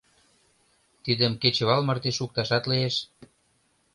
Тидым кечывал марте шукташат лиеш.